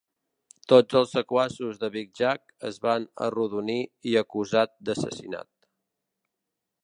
Tots els sequaços de Big Jack es van arrodonir i acusat d'assassinat.